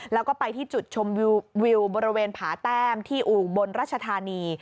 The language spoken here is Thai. แล้วก็ไปที่จุดชมวิวบริเวณผาแต้มที่อู่บนรัชธานี